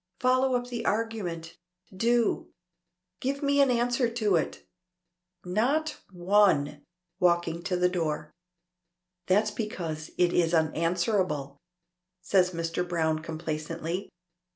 Follow up the argument do. Give me an answer to it." "Not one," walking to the door. "That's because it is unanswerable," says Mr. Browne complacently.